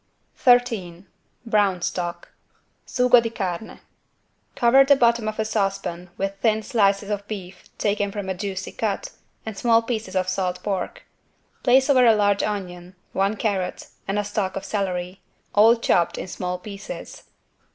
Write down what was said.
13 BROWN STOCK (Sugo di Carne) Cover the bottom of a saucepan with thin slices of beef taken from a juicy cut and small pieces of salt pork. Place over a large onion, one carrot, and a stalk of celery, all chopped in small pieces.